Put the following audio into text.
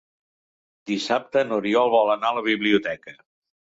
Dissabte n'Oriol vol anar a la biblioteca.